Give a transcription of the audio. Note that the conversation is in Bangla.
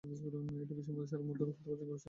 এটি বিশ্বের সেরা মধুর খেতাব অর্জন করেছে।